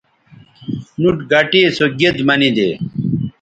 نُوٹ گٹے سو گید منیدے